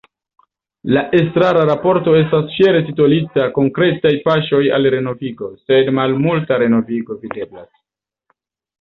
La Estrara Raporto estas fiere titolita “Konkretaj paŝoj al renovigo”, sed malmulta renovigo videblas.